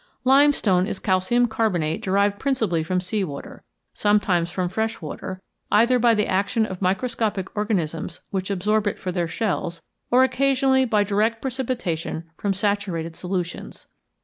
Limestone is calcium carbonate derived principally from sea water, sometimes from fresh water, either by the action of microscopic organisms which absorb it for their shells, or occasionally by direct precipitation from saturated solutions.